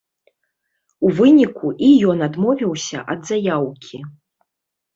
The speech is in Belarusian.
У выніку, і ён адмовіўся ад заяўкі.